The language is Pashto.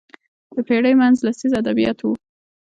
د پېړۍ منځ لسیزو ادبیات وو